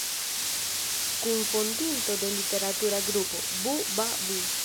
Kunfondinto de literatura grupo Bu-Ba-Bu.